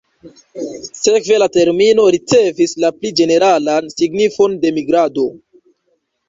Sekve la termino ricevis la pli ĝeneralan signifon de 'migrado".